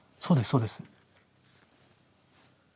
そうです。